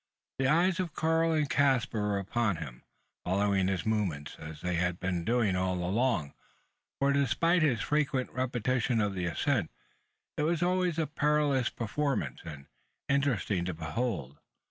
The eyes of Karl and Caspar were upon him, following his movements, as they had been doing all along; for, despite his frequent repetition of the ascent, it was always a perilous performance, and interesting to behold.